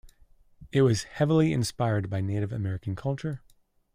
It was heavily inspired by Native American culture.